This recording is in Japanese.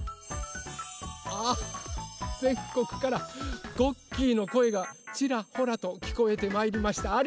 あぜんこくからごっきーのこえがちらほらときこえてまいりました。